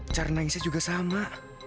cara nangisnya juga sama